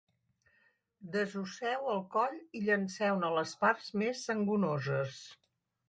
Desosseu el coll i llenceu-ne les parts més sangonoses